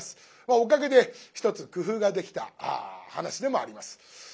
おかげでひとつ工夫ができた噺でもあります。